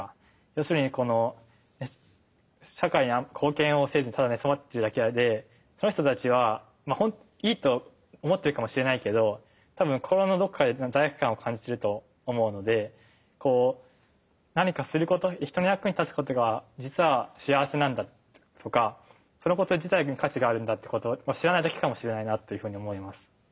要するにこの社会に貢献をせずただ寝そべってるだけでその人たちはいいと思ってるかもしれないけど多分心のどこかで罪悪感を感じてると思うので何かすること人の役に立つことが実は幸せなんだとかそのこと自体に価値があるんだっていうこと知らないだけかもしれないなっていうふうに思います。